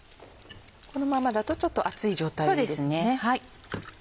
このままだとちょっと熱い状態ですね。